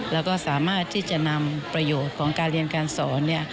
แล้วก็สามารถที่จะนำประโยชน์ของการเรียนการสอน